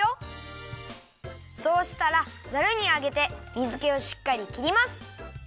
そうしたらザルにあげて水けをしっかりきります！